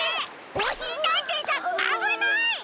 おしりたんていさんあぶない！